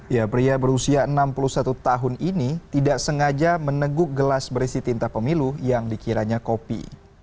ya pria berusia enam puluh satu tahun ini tidak sengaja meneguk gelas berisi tinta pemilu yang dikiranya kopi